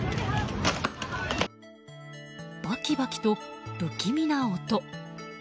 バキバキと不気味な音。